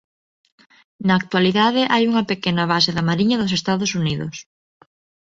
Na actualidade hai unha pequena base da Mariña dos Estados Unidos.